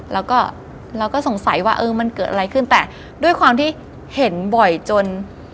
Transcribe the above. แล้วก็เราก็สงสัยว่าเออมันเกิดอะไรขึ้นแต่ด้วยความที่เห็นบ่อยจน